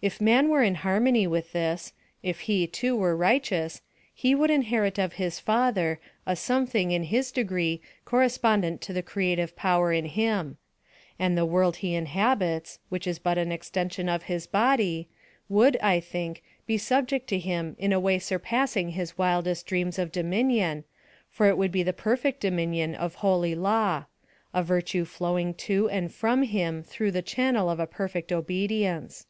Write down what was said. If man were in harmony with this, if he too were righteous, he would inherit of his Father a something in his degree correspondent to the creative power in Him; and the world he inhabits, which is but an extension of his body, would, I think, be subject to him in a way surpassing his wildest dreams of dominion, for it would be the perfect dominion of holy law a virtue flowing to and from him through the channel of a perfect obedience.